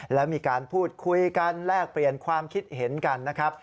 แล้วมีการพูดคุยกันแลกเปลี่ยนความคิดเห็นกันนะครับ